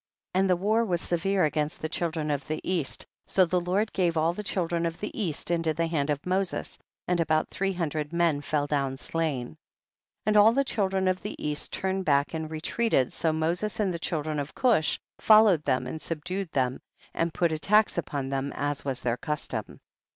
42. And the war was severe against the children of the east, so the Lord gave all the children of the east into the hand of Moses, and about three hundred men fell down slain. 43. And all the children of the east turned back and retreated, so Moses and the children of Cush followed them and subdued them and put a tax upon them, as was their custom.